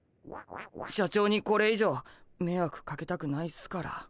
社長にこれ以上めいわくかけたくないっすから。